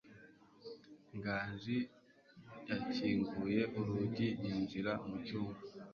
Nganji yakinguye urugi yinjira mu cyumba.